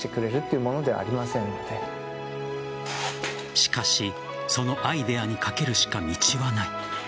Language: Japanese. しかしそのアイデアにかけるしか道はない。